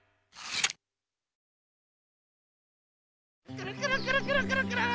くるくるくるくるくるくる。